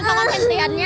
cho con thêm tiền nha